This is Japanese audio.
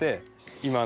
今の。